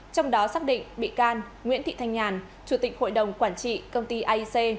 trong đó xác định bị can nguyễn thị thanh nhàn chủ tịch hội đồng quản trị công ty aic